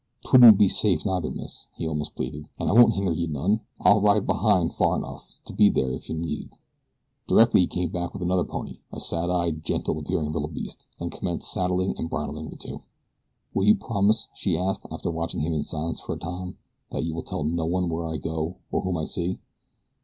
'Twouldn't be safe neither, miss," he almost pleaded, "an' I won't hinder you none. I'll ride behind far enough to be there ef I'm needed." Directly he came back with another pony, a sad eyed, gentle appearing little beast, and commenced saddling and bridling the two. "Will you promise," she asked, after watching him in silence for a time, "that you will tell no one where I go or whom I see?"